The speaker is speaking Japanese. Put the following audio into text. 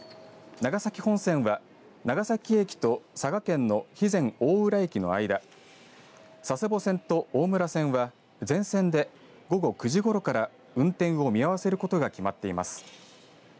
長崎本線は長崎駅と佐賀県の肥前大浦駅の間、佐世保線と大村線は全線で午後９時ごろから運転を見合わせることが決まっています。